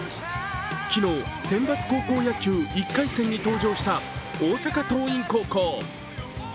昨日、センバツ高校野球１回戦に登場した大阪桐蔭高校。